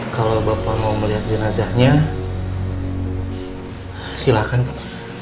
kalau bapak mau melihat jenazahnya silakan pak